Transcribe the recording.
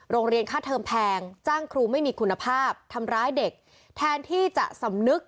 โรงเรียนค่าเทอมแพงจ้างครูไม่มีคุณภาพทำร้ายเด็กแทนที่จะสำนึก